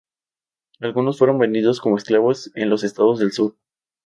Algunos fueron vendidos como esclavos en los estados del sur.